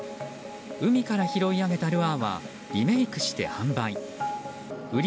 海から拾い上げたルアーはリメイクして販売。